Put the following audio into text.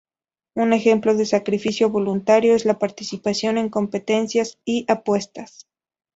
Un ejemplo de sacrificio voluntario es la participación en competencias y apuestas.